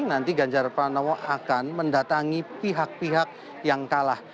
nanti ganjar pranowo akan mendatangi pihak pihak yang kalah